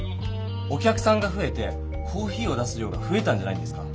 お客さんがふえてコーヒーを出す量がふえたんじゃないんですか？